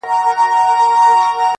ما یې دنګه ونه په خوبونو کي لیدلې وه٫